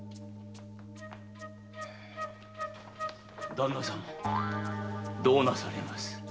旦那様どうなさいます？